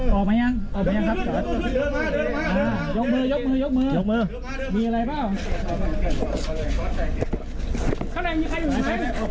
ขอบคุณครับครับ